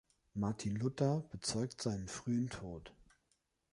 Martin Luther bezeugt seinen frühen Tod.